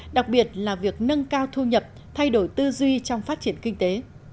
đặc biệt là việc nâng cao thu nhập thay đổi tư duy trong phát triển kinh tế